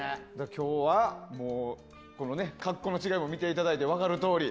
今日はもう格好の違いを見ていただいて分かるとおり。